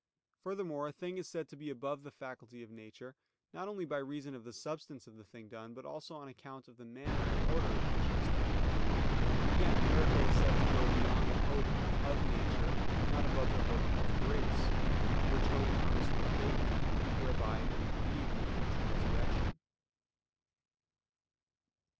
Furthermore, a thing is said to be above the faculty of nature, not only by reason of the substance of the thing done, but also on account of the manner and order in which it is done. Again, a miracle is said to go beyond the hope "of nature," not above the hope "of grace," which hope comes from faith, whereby we believe in the future resurrection.